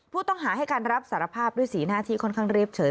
ผู้ต้องหาให้การรับสารภาพด้วยสีหน้าที่ค่อนข้างเรียบเฉย